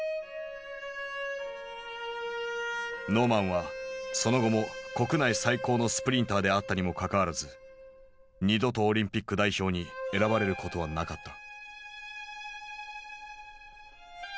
ノーマンはその後も国内最高のスプリンターであったにもかかわらず二度とオリンピック代表に選ばれることはなかった。